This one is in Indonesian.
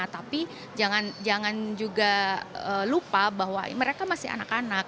tapi jangan juga lupa bahwa mereka masih anak anak